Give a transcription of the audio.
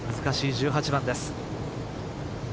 難しい１８番です。